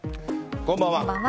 こんばんは。